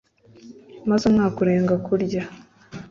Maze umwaka urenga kurya.